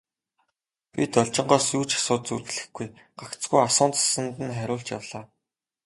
Би Должингоос юу ч асууж зүрхлэхгүй, гагцхүү асуусанд нь хариулж явлаа.